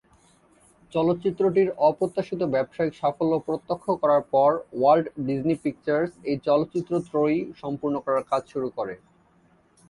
চলচ্চিত্রটির অপ্রত্যাশিত ব্যবসায়িক সাফল্য প্রত্যক্ষ করার পর ওয়াল্ট ডিজনি পিকচার্স এই চলচ্চিত্র ত্রয়ী সম্পূর্ণ করার কাজ শুরু করে।